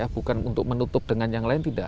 bukan untuk menutup dengan yang lain tidak